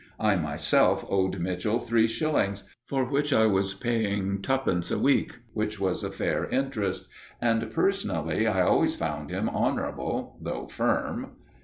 I myself owed Mitchell three shillings, for which I was paying twopence a week, which was a fair interest. And personally I always found him honourable, though firm.